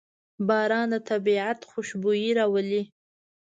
باران د طبیعت خوشبويي راولي.